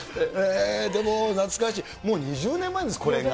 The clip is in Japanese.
でも懐かしい、もう２０年前です、これが。